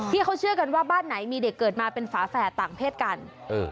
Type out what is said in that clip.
ที่เขาเชื่อกันว่าบ้านไหนมีเด็กเกิดมาเป็นฝาแฝดต่างเพศกัน